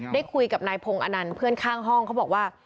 ได้คุยกับนายพงศ์อนันต์เพื่อนข้างห้องเขาบอกว่า